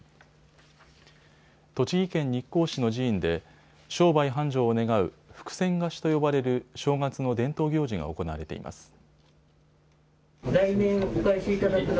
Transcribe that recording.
栃木県日光市の寺院で商売繁盛を願う福銭貸しと呼ばれる正月の伝統行事が行われています。